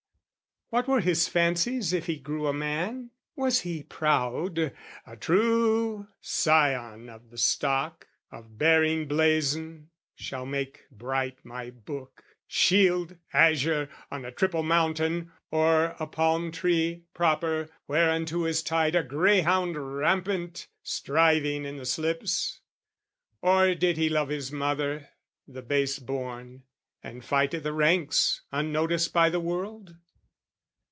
What were his fancies if he grew a man? Was he proud, a true scion of the stock, Of bearing blason, shall make bright my Book Shield, Azure, on a Triple Mountain, Or, A Palm tree, Proper, whereunto is tied A Greyhound, Rampant, striving in the slips? Or did he love his mother, the base born, And fight i' the ranks, unnoticed by the world?